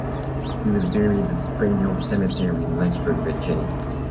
He was buried at Spring Hill Cemetery in Lynchburg, Virginia.